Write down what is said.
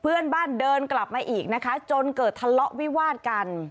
เพื่อนบ้านเดินกลับมาอีกนะคะจนเกิดทะเลาะวิวาดกัน